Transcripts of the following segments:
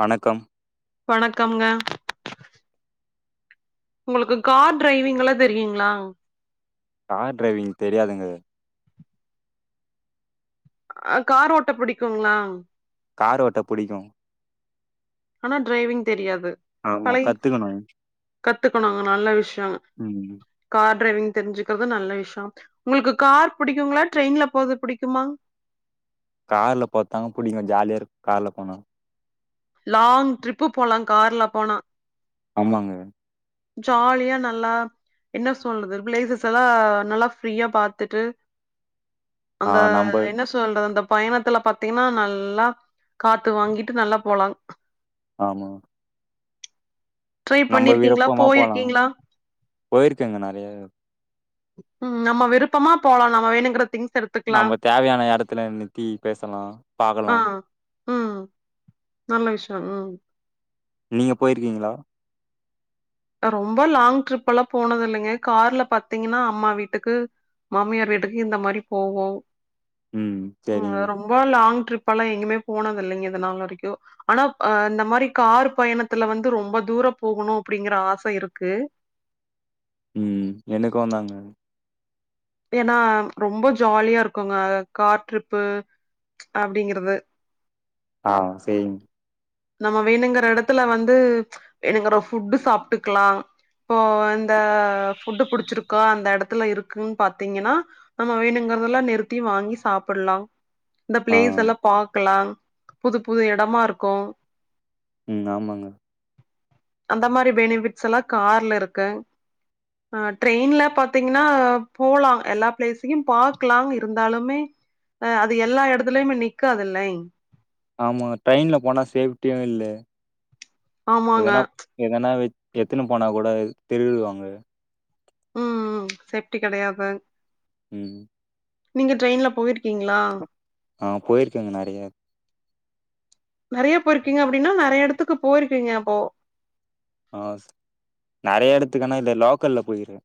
வணக்கம் வணக்கம்ங்க உங்களுக்கு கார் டிரைவிங்ல்லா தெரியுங்ளா கார் டிரைவிங் தெரியாதுங்க அ கார் ஓட்ட புடிக்குங்ளா கார் ஓட்ட புடிக்கு ஆனா டிரைவிங் தெரியாது ஆமா பழகி [unintelligible] கத்துக்குணு நல்ல விஷியோ ம் கார் டிரைவிங் தெரிஞ்சுக்கிறது நல்ல விஷியோ உங்களுக்கு கார் புடிக்குங்களா ட்ரெயின்ல போறது புடிக்குமா கார்ல போரத்தாங்க புடிக்கு ஜாலியா இருக்கு கார்ல போனா லாங் ட்ரிப்பு போலா கார்ல போனா ஆமாங்க ஜாலியா நல்லா என்ன சொல்றது பிளேசஸ் எல்லா நல்லா ஃப்ரீயா பாத்துட்டு ஆ அந்த நம்ப என்ன சொ சொல்ற இந்த பயணத்துல பாத்தீங்கன்னா நல்லா காத்து வாங்கிட்டு நல்லா போலாங் ஆமா ட்ரை நம்ம பண்ணிருக்கீங்களா விருப்பமா போலா போயிருக்கீங்களா போயிருக்கங்க நெறைய ம் நம்ம விருப்பமா போலாம் நம் வேணுங்கிற தி்ங்ஸ் எடுத் நம்ம தேவையான இடத்துல நித்தி பேசலாம் ஆ பாக்கலாம் ம் நல்ல விஷயம் ம் நீங்க போயிருக்கீங்களா நா ரொம்ப லாங் ட்ரிப் எல்லாம் போனது இல்லங்க கார்ல பாத்தீங்கன்னா அம்மா வீட்டுக்கு மாமியார் வீட்டுக்கு இந்த மாரி போவோம் ம் உ சரிங்க வேற ரொம்ப லாங் ட்ரிப் எல்லாம் எங்குமே போனது இல்லங்க இதனால் வரைக்கும் ஆனா அ இந்த மாரி கார் பயணத்துல வந்து ரொம்ப தூரோ போகணும் அப்டிங்கற ஆசை இருக்கு ம் எனக்கும் தாங்க ஏன்னா ரொம்ப ஜாலியா இருக்குங்க கார் ட்ரிப்பு அப்டிங்கிறது ஆ சேரிங் நம்ம வேணுங்கிற இடத்துல வந்து வேணுங்கற ஃபுட்டு சாப்பிட்டுக்கலாம் இப்போ இந்த ஃபுட்டு புடிச்சிருக்கா அந்த இடத்துல இருக்கு பாத்தீங்கன்னா நம்ம வேணுங்கிறதுல்லாம் நிறுத்தி வாங்கி சாப்படலாம் இந்த ஆ பிளேஸ் எல்லாம் பாக்கலாம் புது புது இடமா இருக்கும் ம் ஆமாங்க அந்த மாரி பெனிபிட்ஸ்ல்லாம் கார்ல இருக்கு ஆ ட்ரெயின்ல பாத்தீங்கன்னா போலாம் எல்லா பிளேஸையும் பாக்லாம் இருந்தாலுமே அ அது எல்லா இடத்துலயுமே நிக்காதுல்லை ஆமா ட்ரெயின்ல போனா சேஃப்டியும் இல்லே ஆமாங்க எதனா எதனா வச் எத்துனு போனா கூட திரிடுவாங்க ம் ம் சேஃப்டி கிடையாத் தான் ம் நீங்க ட்ரெயின்ல போய்ருக்கீங்களா ஆ போயிருக்கேங்க நிறைய நறையா போயிருக்கீங்க அப்டின்னா நறையா இடத்துக்கு போயிருக்கீங்க அப்போ ஆ நறைய இடத்துக்குனா இது லோக்கல்ல போயிருக்கேன்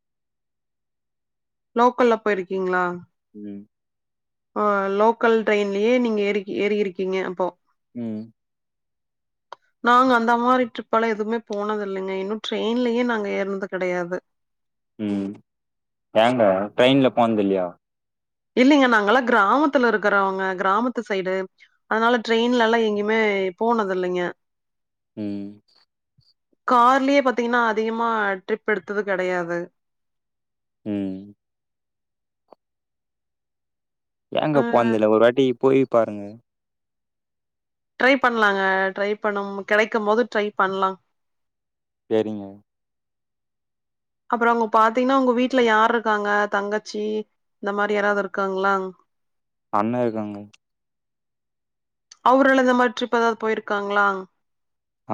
லோக்கல்ல போயிருக்கீங்களா ம் ஆ லோக்கல் ட்ரெயின்லியே நீங்க ஏறி ஏறிருக்கீங்க அப்போ ம் நாங்க அந்த மாதிரி ட்ரிப்பால எதுவுமே போனது இல்லங்க இன்னும் ட்ரெயின்லயே நாங்க ஏறனது கிடையாது ம் ஏங்க ட்ரெயின்ல போனதில்லையா இல்லலைங்க நாங்கல்லாம் கிராமத்துல இருக்கறவங்க கிராமத்து சைடு அதனால ட்ரெயின்ல எல்லாம் எங்கேயுமே போனது இல்லைங்க ம் கார்லயே பாத்தீங்கன்னா அதிகமா ட்ரிப் எடுத்தது கிடையாது ம் அ ஏங்க போனதில்ல ஒரு வாட்டி போயி பாருங்க ட்ரை பண்ணலாங்க ட்ரை பண்ணு கிடைக்கும் போது ட்ரை பண்லா சேரிங்க அப்பறம் அங்க பாத்தீங்கன்னா உங்க வீட்ல யாரு இருக்காங்க தங்கச்சி இந்த மாரி யாராவது இருக்காங்களா அண்ணே இருக்காங்க அவுருல்லா இந்த மாறி ட்ரிப் ஏதாவது போயிருக்காங்ளா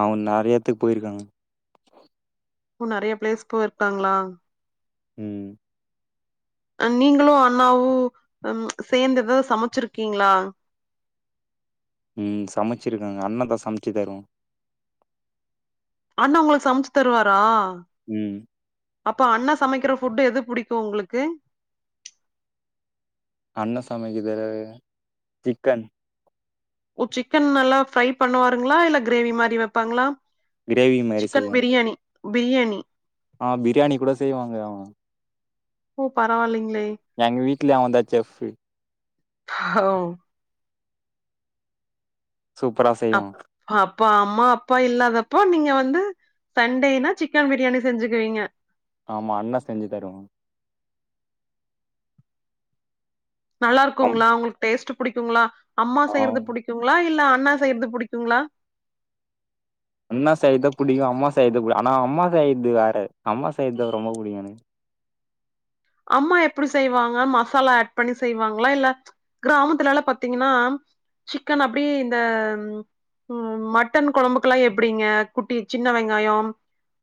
அவன் நறியா எடத்துக்கு போயிருக்காங்க நெறைய பிளேஸ் போய் இருக்காங்ளா ம் நீங்களும் அண்ணாவு ம் சேர்ந்து ஏதாவது சமைச்சிருக்கீங்ளா ம் சமைச்சிருக்கங்க அண்ணதா சமைச்சு தரும் அண்ணே உங்களுக்கு சமைச்சு தருவாரா உம் அப்ப அண்ணே சமைக்கிற ஃபுட் எது புடிக்கும் உங்ளுக்கு அண்ணே சமைக்கற எதாவது சிக்கன் ஓ சிக்கன் நல்லா ஃப்ரை பண்ணுவாருங்ளா இல்ல கிரேவி மாறி வெப்பாங்ளா கிரேவி மாரி சிக்கன் செய்யு பிரியாணி பிரியாணி ஆ பிரியாணி கூட செய்வாங்க அவ ஓ பரவால்லைங்ளே எங்க வீட்லயே அவந்தா செஃப் அ ஓ சூப்பரா செய்வா அப் அப்பா அம்மா அப்பா இல்லாதப்போ நீங்க வந்து சண்டேன்னா சிக்கன் பிரியாணி செஞ்சுக்குவீங்க ஆமா அண்ணே செஞ்சு தருவா நல்லா இருக்குங்ளா உங்களுக்கு டேஸ்ட்டு புடிக்குங்ளா அம்மா ஆ செய்யறது புடிக்குங்ளா இல்ல அண்ணா செய்யறது புடிக்குங்ளா அண்ணா செய்யறதும் புடிக்கும் அம்மா செய்யறது கூட ஆனா அம்மா செய்யறது வேற அம்மா செய்யறது ரொம்ப புடிக்கும் எனக்கு அம்மா எப்படி செய்வாங்க மசாலா ஆட் பண்ணி செய்வாங்ளா இல்ல கிராமத்துல எல்லா பாத்தீங்கன்னா சிக்கன் அப்டியே இந்த உம் மட்டன் கொழம்புக்கெல்லா எப்படிங்க குட்டி சின்ன வெங்காயம்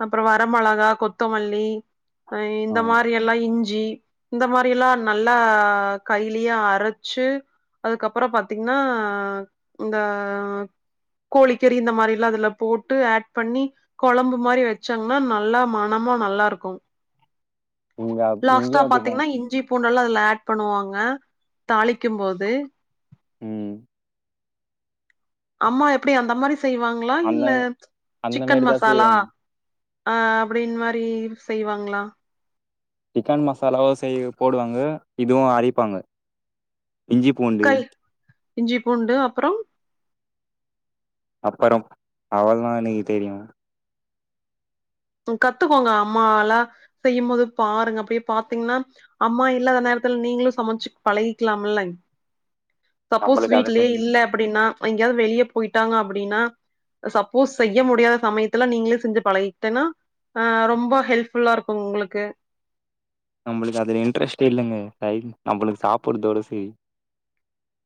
அப்பறோ வர மொளகா கொத்தமல்லி அ ஆ இந்த மாறி எல்லா இஞ் சி இந்த மாறி எல்லா நல்லா கைலயே அரைச்சு அதுக்கப்றோ பாத்தீங்கன்னா இந்த கோழிக்கறி இந்த மாறி எல்லா அதுல போட்டு ஹேட் பண்ணி கொழம்பு மாறி வச்சோங்ன்னா நல்லா மனமா நல்லா இருக்கும் இங்க லாஸ்ட்டா இங்கயு அப்டிதா பாத்தீங்கன்னா இஞ்சி பூண்டு எல்லா அதுல ஹேட் பண்ணுவாங்க தாளிக்கும் போது உம் அம்மா எப்பிடி அந்த மாறி செய்வாங்ளா அந்த இல்ல அந்த சிக்கன் மாரிதா மசாலா செய்வாங்க அ அப்படின் மாறி செய்வாங்ளா சிக்கன் மசாலாவோ செய்ய போடுவாங்க இதுவு அரிப்பாங்க இஞ்சி பூண்டு கல் இஞ்சி பூண்டு அப்றோ அப்புறம் அவள்தா எனக்கு தெரியு ம் கத்துக்கோங்க அம்மா வேல செய்யும்போது பாருங்க அப்படியே பாத்தீங்ன்னா அம்மா இல்லாத நேரத்துல நீங்களும் சமைச்சு பழகிக்கலாம் இல்லங் [inaudible] சப்போஸ் அதுல வீட்லயே இல்லை அப்படின்னா எங்கயாவது வெளியே போயிட்டா அப்படின்னா சப்போஸ் செய்ய முடியாத சமயத்துல நீங்களே செஞ்சு பழகிக் கிட்டன்னா ஆ ரொம்ப ஹெல்ப்ஃபுல்லா இருக்கும் உங்களுக்கு நம்பளுக்கு அதுல இன்ட்ரெஸ்ட்டு இல்லங்க சை நம்பளுக்கு சாப்பிட்றதோட சேரி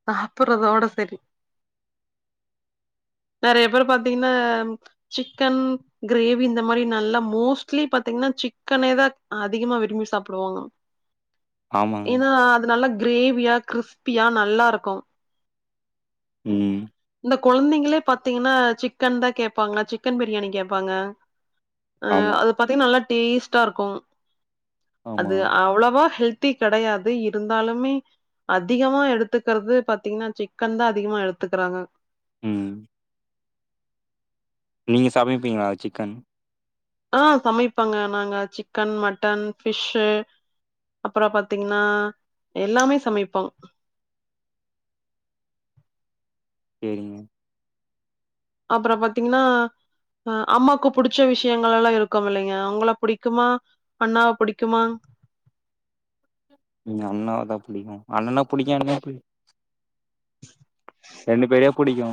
சாப்பிட்றதோட சரி நெறைய பேறப் பாத்தீங்கின்னாம் சிக்கன் கிரேவி இந்த மாரி நல்லா மோஸ்ட்லி பாத்தீங்னா சிக்கனேதா அதிகமா விரும்பி சாப்பிடுவாங்கா [inaudible] ஆமாங்க எனா அது நல்லா கிரேவியா கிறிஸ்பியா நல்லாருக்கு ம் இந்தக் கொழந்தைங்கிளேப் பாத்தீங்கன்னா சிக்கன்தா கேப்பாங்க சிக்கன் பிரியாணி கேப்பாங்க அ ஆமா அது பாத்தீங்க நல்லா டேஸ்ட்டாருக்கு ஆமா அது அவ்ளவா ஹெல்த் தி கெடயாது இருந்தாலுமே அதிகமா எடுத்துக்கறது பாத்தீங்கனா சிக்கன்தா அதிகமா எடுத்துகுறாங்க ம் ம் நீங்க சமைப்பீங்ளா சிக்கன் ஆ சமைப்பங்க நாங்க சிக்கன் மட்டன் ஃபிஷ்ஷூ அப்றோ பாத்தீங்னா எல்லாமே சமைப்போ ம் அப்றோ பாத்தீங்னா அ அம்மாக்கு புடிச்ச விஷ்யங்கள்லலா இருக்குமிலைங்க வுங்ளப் புடிக்குமா அண்ணாவப் புடிக்குமா எங்க அண்ணாவதா புடிக்கு அண்ணனப் புடிக்காம எப்டி ரெண்டு பேரையப் புடிக்கு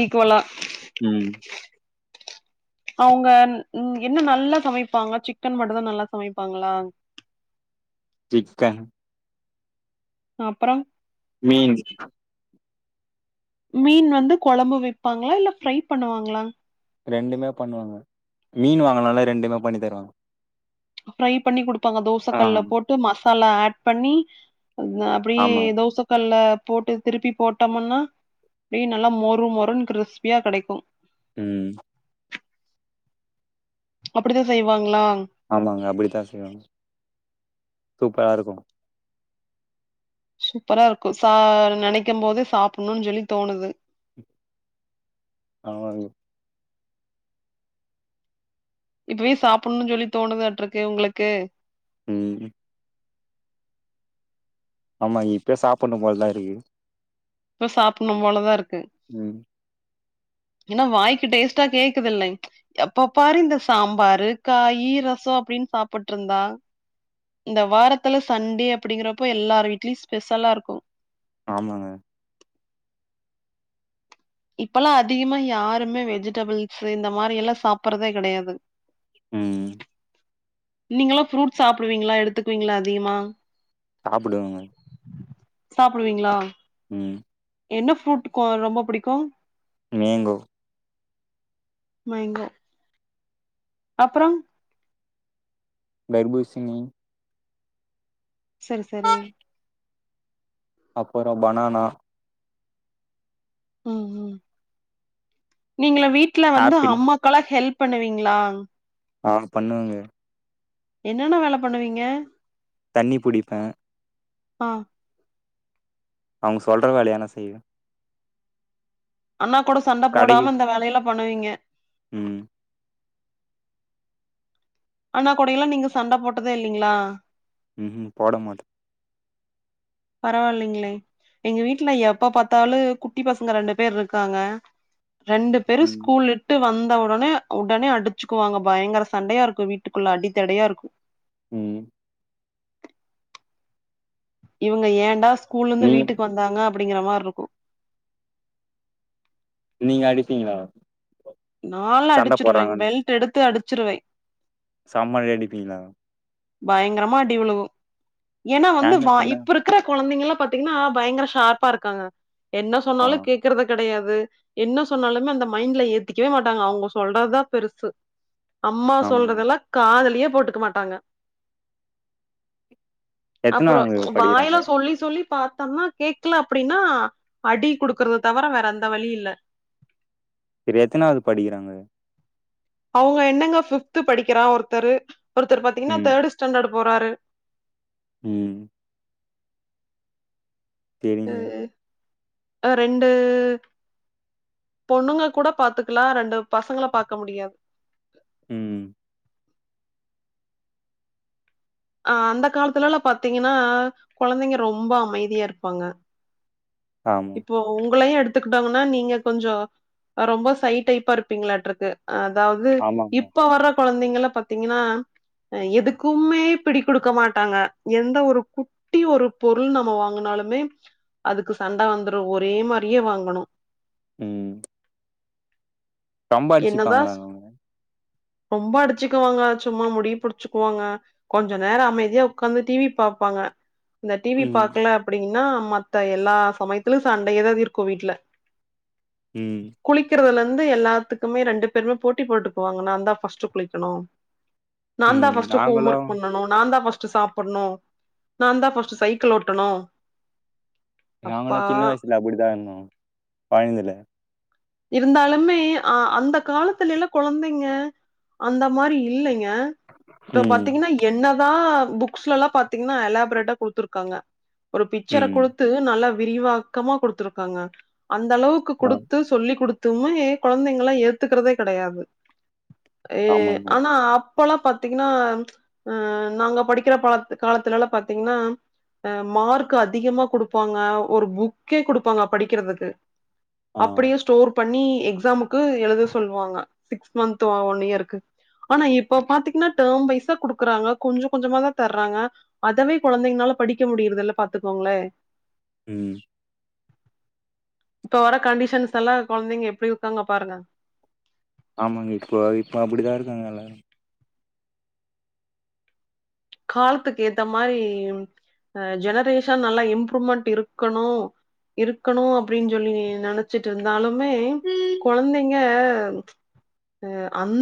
ஈக்வளா ம் அவுங்கன் இன் என்ன நல்லா சமைப்பாங்க சிக்கன் மட்டுதா நல்லா சமைப்பாங்களா சிக்கன் அப்றோ மீன்ச் மீன் வந்து கொழம்பு வெப்பாங்ளா இல்ல ஃப்ரை பண்ணுவாங்ளா ரெண்டுமே பண்ணுவாங்க மீன் வாங்கனாலே ரெண்டுமே பண்ணித் தருவாங்க ஃப்ரை பண்ணி குடுப்பாங்க தோசக் ஆ கல்ல போட்டு மசாலா ஆட் பண்ணி அதப் அப்டியே ஆமாங்க. தோசப் கல்ல போட்டு திருப்பிப் போட்டம்மன்னா அப்டியே நல்லா மொரு மொருன் கிறிஸ்பியா கெடைக்கு ம் அப்டிதா செய்வாங்ளா ஆமாங்க அப்டித்தா செய்வாங்க சூப்பராருக்கு சூப்பராருக்கு சா நெனைக்கம் போது சாப்புன்னுன் சொல்லி தோணுது ஆவாங்கு இப்பவே சாப்புன்னு சொல்லி தோணுதாட்றக்கு உங்ளுக்கு ம் ஆமா இப்யே சாப்புன்னு போல்தா இருகு இப்ப சாப்புன்னும் போலதா இருக்கு ம் எனா வாய்க்கு டேஸ்ட்டா கேக்குதுல்லைங் எப்பப் பாரு இந்த சாம்பாரு காயி ரசோ அப்டின் சாப்புட்ருந்தா இந்த வாரத்துல சண்டே அப்டிங்கிறப்ப எல்லார் வீட்லியு ஸ்பெஷலா இருக்கு ஆமாங்க இப்பலா அதிகமா யாருமே வெஜிடெபிள்ஸு இந்த மாரி எல்லா சாப்பறதே கெடையாது ம் நீங்க எல்லா ஃப்ரூட் சாப்புடுவீங்களா எடுத்துக்குவீங்களா அதிகமா சாப்புடுவேங்க சாப்புடுவீங்களா ம் என்ன ஃப்ரூட் க்க ரொம்ப புடிக்கு மேங்கோ மைங்கா அப்பறம் தர்பூசணி சரி சரி அப்பற பனானா நீங்கலா வீட்ல வந்து ஆப்பிள் அம்மாக்கல்லா ஹெல்ப் பண்ணுவீங்களா ஆ பண்ணுவேங்க என்னென்ன வேல பண்ணுவீங்க தண்ணி புடிப்பே அ அவங்க சொல்ற வேலைய நா செய்வே அண்ணா கூட சண்ட கடைக்கு போடாம இந்த வேலையிலா பண்ணுவீங்க ம் அண்ணா கொடெயில்லா நீங்க சண்ட போட்டதே இல்லைங்களா ம் போட மாட் பரவாயில்லைங்களே எங்க வீட்டுல எப்ப பார்த்தாலு குட்டி பசங்க ரெண்டு பேர் இருக்காங்க ரெண்டு பேரு ம் ஸ்கூல் விட்டு வந்த உடனே உடனே அடிச்சுக்குவாங்க பயங்கர சண்டையா இருக்கு வீட்டுக்குள்ள அடித்தடையா இருக்கு ம் இவங்க ஏன்டா ஸ்கூல்ல இரந்து நீங்க வீட்டுக்கு வந்தாங்க அப்படிங்கிற மார்ருக்கு நீங்க அடிப்பீங்களா நாளா சண்ட அடிச்சிருவே போடுறாங்கன்னு பெல்ட் எடுத்து அடிச்சிருவே செமயா அடிப்பீங்களா பயங்கரமா அடிவிழுகு ஏன்னா வந்து ஏங்க வா சின்ன இப்ப இருக் கற கொழந்தைங்கலா பாத்தீங்கன்னா பயங்கர ஷார்ப்பா இருக்காங்க என்ன ஆ சொன்னாலு கேக்கறது கெடையாது என்ன சொன்னாலுமே அந்த மைண்ட்ல ஏத்திக்கவே மாட்டாங்க அவங்க சொல்றத்தா பெருசு அம்மா ஆமாங்க. சொல்றதெல்லா காதுலியே போட்டுக்க மாட்டாங்க அப்புறோ எத்தனாவது படிக்கிறாங்க? வாயெலா சொல்லி சொல்லி பாத்தோன்னா கேக்கல அப்படின்னா அடி குடுக்கறத தவர வேற எந்த வழி இல்ல சரி எத்தனாவது படிக்கிறாங்க அவங்க என்னங்க ஃபிப்து படிக்கிறா ஒருத்தரு ஒருத்தர் பாத்தீங்கன்னா ம், தேர்டு ஸ்டேண்டர்ட் போறாரு ம் சரிங்க. ம் அ ரெண்டு பொண்ணுங்க கூட பாத்துக்கலா ரெண்டு பசங்கல பாக்க முடியாது ம் அ அந்த காலத்துல எல்லா பாத்தீங்கன்னா கொழந்தைங்க ரொம்ப அமைதியா இருப்பாங்க ஆம் ஒ உங்களையு எடுத்துக்கிட்டோங்கன்னா நீங்க கொஞ்சோ ரொம்ப சை டைப்பா இருப்பீங்களாற்றுக்கு அதாவ்து ஆமாங்க. இப்ப வர்ற கொழந்தைங்ளா பாத்தீங்கின்னா எதுக்குமே பிடி குடுக்க மாட்டாங்க எந்த ஒரு கு ட்டி ஒரு பொருள் நம்ம வாங்கனாலுமே அதுக்கு சண்ட வந்துடும் ஒரே மாரியே வாங்கனு ம் ரொம்ப என்னதா அடிச்சுப்பாங்களாங்க அவங்க? ரொம்ப அடிச்சுக்குவாங்க சும்மா முடிய புடிச்சுக்குவாங்க கொஞ்ச நேரோ அமைதியா உக்காந்து டி வி பாப்பாங்க இந்த டி வி ம், பாக்கல அப்டின்னா மத்த எல்லா சமயத்திலும் சண்டயே எதாவ் இருக்கும் வீட்ல ம் குளிக்கிறதுல இருந்து எல்லாத்துக்குமே ரெண்டு பேருமே போட்டி போட்டுக்குவாங்க நான்தா ஃபர்ஸ்ட்டு குளிக்கனு நான் தா ம். ஃபர்ஸ்ட்டு ஹோம் ஒர்க் நாங்களும் பண்ணனு நான் தா ஃபர்ஸ்ட்டு சாப் புன்னோ நான்தா ஃபர்ஸ்ட்டு சைக்கிள் ஓட்டணு நாங்களு அப்பா சின்ன வயசுல அப்படிதா இருந்தோம் கொய்ந்தில இருந்தாலுமே அ அந்த காலத்துல எல்லா கொழந்தைங்க அந்த மாரி இல்லைங்க இப்ப ம், பாத்தீங்கன்னா என்னதா புக்ஸ்லல்லா பாத்தீங்ன்னா எலாப்ரேட்டா குடுத்துருக்காங்க ஒரு பிக்சர ம். குடுத்து நல்ல விரிவாக்கமா குடுத்துருக்காங்க அந்த அளவுக்கு ஆ, குடுத்து சொல்லிக் குடுத்துமே கொழந்தைங்ளா ஏத்துக்கறதே கெடையாது ஏ ஆமாங்க. ஆனா அப்பல்லா பாத்தீங்ன்னா அ நாங்க படிக்கிற பா காலத்துல எல்லாம் பாத்தீங்ன்னா அ மார்க் அதிகமா குடுப்பாங்க ஒரு புக்கே குடுப்பாங்க படிக்கறதுக்கு ஆ அப்டியே ஸ்டோர் பண்ணி எக்ஸாமுக்கு எழுத சொல்வாங்க சிக்ஸ் மந்த் ஒன் இயருக்கு ஆனா இப்ப பாத்தீங்கன்னா டேர்ம் வைசா குடுக்குறாங்க கொஞ்சோ கொஞ்சமா தா தர்றாங்க அதவே கொழந்தைங்கனால படிக்க முடியறதல்ல பாத்துக்கோங்ளே ம் இப்ப வர கண்டிஷன்ஸ் எல்லா கொழந்தைங்க எப்பிடி இருக்காங்க பாருங்க ஆமாங்க இப்போ இப்ப அப்படிதா இருக்காங்க எல்லா கால்த்துக்கு ஏத்த மாரி ஜெனரேஷன் நல்லா இம்ப்ரூவ்மெண்ட்டு இருக்கணு இருக்கணு அப்டின் சொல்லி நெனச் ச்சுட்டு இருந்தாலுமே கொழந்தைங்க அந்